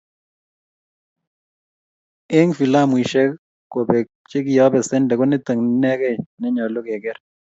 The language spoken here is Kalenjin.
Eng filamuishek kobek chekiapesende, konito inekei nenyalo keker